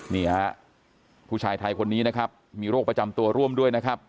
นี่ฮะผู้ชายไทยคนนี้นะครับมีโรคประจำตัวร่วมด้วยนะครับ